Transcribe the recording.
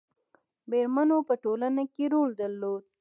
میرمنو په ټولنه کې رول درلود